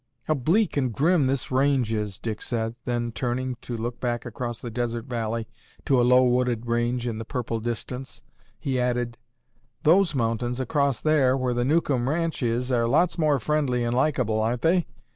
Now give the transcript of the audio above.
"How bleak and grim this range is," Dick said, then, turning to look back across the desert valley to a low wooded range in the purple distance, he added, "Those mountains across there, where the Newcomb ranch is, are lots more friendly and likeable, aren't they?